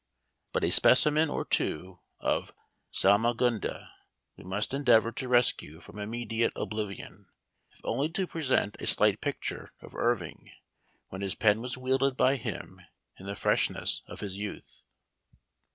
T) UT a specimen or two of Salmagundi we •*' must endeavor to rescue from immediate " oblivion," if only to present a slight picture of! Irving when his pen was wielded by him in the? freshness of his youth.